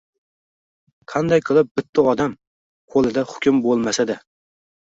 “qanday qilib bitta odam, qo‘lida hukm bo‘lmasa-da